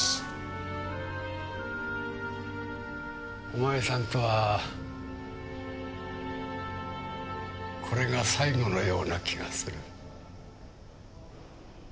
お前さんとはこれが最後のような気がする。